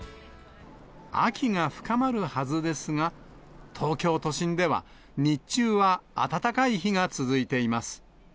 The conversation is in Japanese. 秋が深まるはずですが、東京都心では、日中は暖かい日が続いています。